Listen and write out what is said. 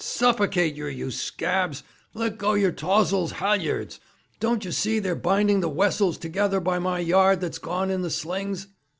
Suffocate yer, you scabs! Let go yer taws'l halliards! Don't you see they're binding the wessels together by my yard that's gone in the slings?'